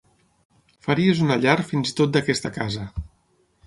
Faries una llar fins i tot d'aquesta casa.